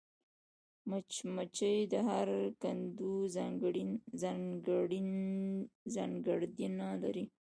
مچمچۍ د هر کندو ځانګړېندنه لري